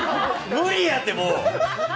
無理やて、もう。